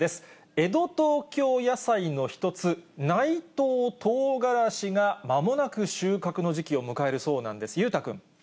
江戸東京野菜の一つ、内藤とうがらしがまもなく収穫の時期を迎えるそうなんです。